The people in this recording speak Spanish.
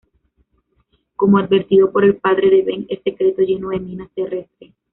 Como advertido por el padre de Ben, es secreto lleno de minas terrestres.